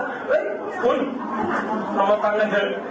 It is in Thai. เฮ้ยคุณเอามาฟังกันเถอะ